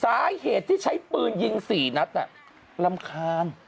สาเหตุที่ใช้ปืนยิง๔นัดรำคาญ